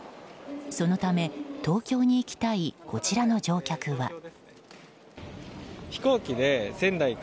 そのため、東京に行きたいこちらの乗客は。